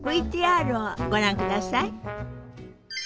ＶＴＲをご覧ください。